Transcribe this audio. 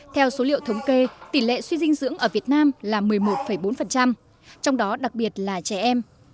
theo số liệu thống kê tỷ lệ suy dinh dưỡng ở việt nam là một mươi một bốn trong đó đặc biệt là trẻ em